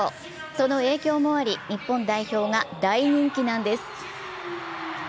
その影響もあり、日本代表が大人気なんです。